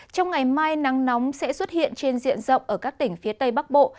trong ngày mai nắng nóng sẽ xuất hiện trên diện rộng ở các tỉnh phía tây bắc bộ